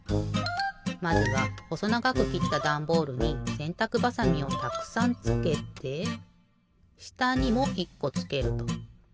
まずはほそながくきったダンボールにせんたくばさみをたくさんつけてしたにも１こつけると。